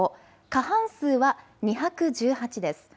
過半数は２１８です。